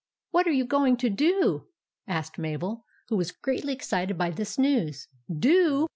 " What are you going to do ?" asked Mabel, who was greatly excited by this news. " Do